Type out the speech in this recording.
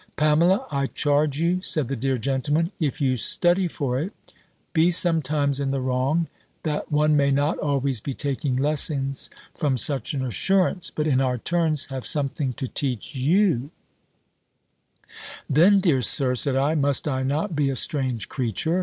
"Pamela, I charge you," said the dear gentleman, "if you study for it, be sometimes in the wrong, that one may not always be taking lessons from such an assurance; but in our turns, have something to teach you." "Then, dear Sir," said I, "must I not be a strange creature?